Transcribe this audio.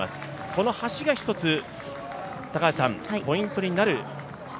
この橋が一つポイントになる？